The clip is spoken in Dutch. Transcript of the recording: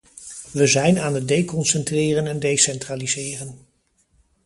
We zijn aan het deconcentreren en decentraliseren.